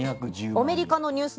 アメリカのニュース